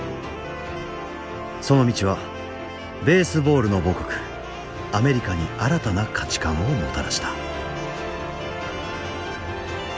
その道はベースボールの母国アメリカに新たな価値観をもたらした。